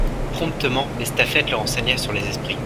Promptement, l'estafette le renseigna sur les esprits.